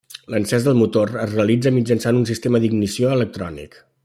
L'encès del motor es realitza mitjançant un sistema d'ignició electrònic.